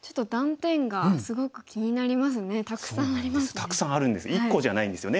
たくさんあるんです１個じゃないんですよね。